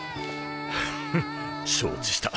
フフッ承知した。